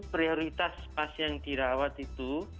prioritas pasien dirawat itu